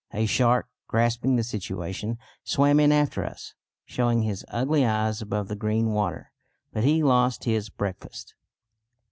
A shark, grasping the situation, swam in after us, showing his ugly eyes above the green water; but he lost his breakfast.